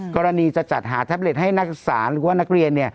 กรณีจะจัดหาแท็บเล็ตให้นักศึกษาหรือว่านักเรียน